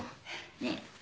ねえ。